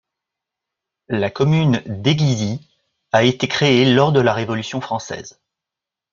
La commune d'Aiguizy a été créée lors de la Révolution française.